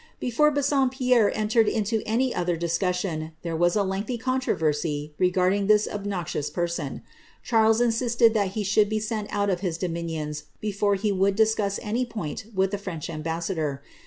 Before Bassompierre entered into any other discunioD, there was a lengtliy controversy regarding this obnoxious person. Charles insisted that he should be sent out of his dominions before he would discuss any point with the French ambassador.